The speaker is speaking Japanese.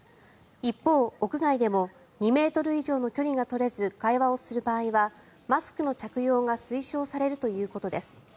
一方、屋外でも２ｍ以上の距離が取れず会話をする場合はマスクの着用が推奨されるということです。